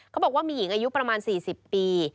เขาบอกว่ามีหญิงอายุประมาณ๔๐ปี